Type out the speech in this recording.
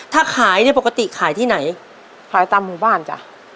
ถ้าขายเนี่ยปกติขายที่ไหนขายตามหมู่บ้านจ้ะ